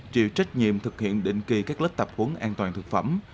chịu trách nhiệm thực hiện định kỳ các lớp tập huấn an toàn thực phẩm